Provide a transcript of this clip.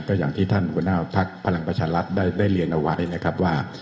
ก็อย่างที่ท่านหัวหน้าพรรคพลังประชารัฐได้เรียนเอาไว้